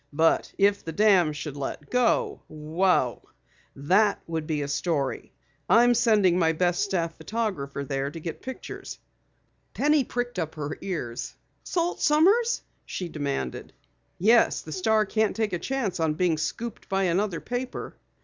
"But if the dam should let go wow! Would that be a story! I'm sending my best staff photographer there to get pictures." Penny pricked up her ears. "Salt Sommers?" she demanded. "Yes, the Star can't take a chance on being scooped by another paper."